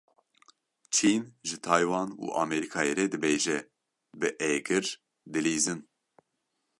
Çîn ji Taywan û Amerîkayê re dibêje; bi êgir dilîzîn.